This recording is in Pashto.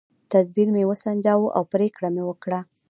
تدبیر مې وسنجاوه او پرېکړه مې وکړه.